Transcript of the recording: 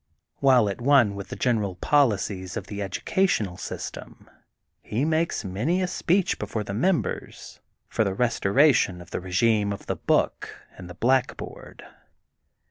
While at one with the general poli cies of the educational system, he makes many a speech before the members for the restora tion of the regime of the book and the black board.